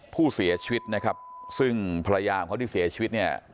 ผู้เสียชีวิตนะครับซึ่งภรรยาของเขาที่เสียชีวิตเนี่ย